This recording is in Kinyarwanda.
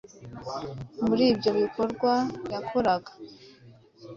muri ibyo bikorwa, yakoraga